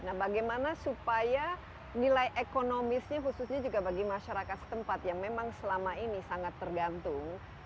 nah bagaimana supaya nilai ekonomisnya khususnya juga bagi masyarakat setempat yang memang selama ini sangat tergantung